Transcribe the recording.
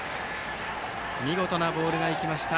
見事なボールが行きました。